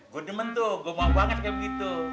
gua demen tuh gua mau banget kayak begitu